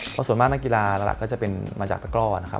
เพราะส่วนมากนักกีฬาหลักก็จะเป็นมาจากตะกร่อนะครับ